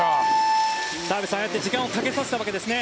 澤部さん、ああやって時間をかけさせたわけですね。